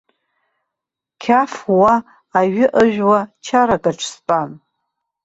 Қьаф уа, аҩы ыжәуа чаракаҿ стәан.